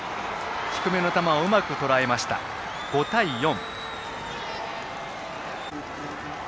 低めの球をうまくとらえました５対４。